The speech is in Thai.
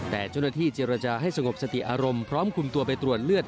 แต่เจ้าหน้าที่เจรจาให้สงบสติอารมณ์พร้อมคุมตัวไปตรวจเลือด